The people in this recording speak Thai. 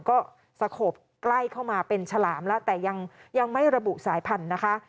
ก็สโขบใกล้เข้ามาเป็นฉลามแล้วแต่ยังไม่ระบุสายพันธุ์นะคะ